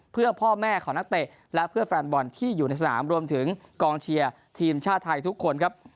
เพื่อพ่อแม่ของนักเตะและเพื่อแฟนบอลที่อยู่ในสนามรวมถึงกองเชียร์ทีมชาติไทยทุกคนครับ